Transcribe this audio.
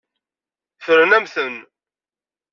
Ffren-am-ten.